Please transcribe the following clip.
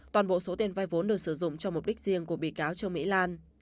toàn bộ số tiền vai vốn được sử dụng cho mục đích riêng của bị cáo trương mỹ lan